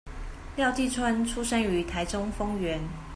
廖繼春出生於台中豐原